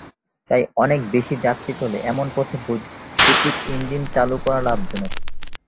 তাই অনেক বেশি যাত্রী চলে, এমন পথে বৈদ্যুতিক ইঞ্জিন চালু করা লাভজনক।